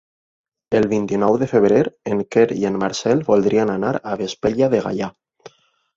El vint-i-nou de febrer en Quer i en Marcel voldrien anar a Vespella de Gaià.